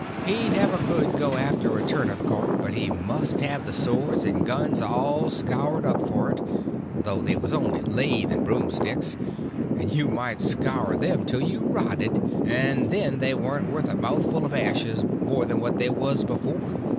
He never could go after even a turnip cart but he must have the swords and guns all scoured up for it, though they was only lath and broomsticks, and you might scour at them till you rotted, and then they warn't worth a mouthful of ashes more than what they was before.